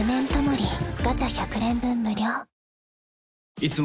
いつも